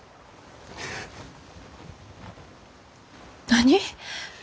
何？